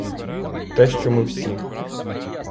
Те, що ми всі.